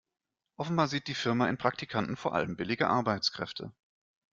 Offenbar sieht die Firma in Praktikanten vor allem billige Arbeitskräfte.